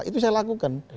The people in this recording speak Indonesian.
itu saya lakukan